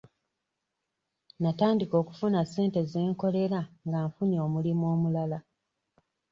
Natandika okufuna ssente ze nkolera nga nfunye omulimu omulala.